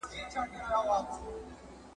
د پانوس جنازه وزي خپلي شمعي سوځولی ..